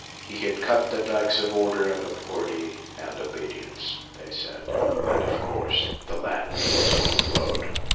He had cut the dikes of order and authority and obedience, they said, and, of course, the land was overflowed.